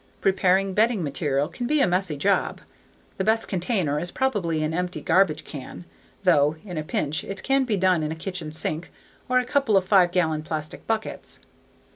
Preparing bedding material can be a messy job The best container is probably an empty garbage can, though in a pinch it can be done in a kitchen sink or a couple of five gallon plastic buckets.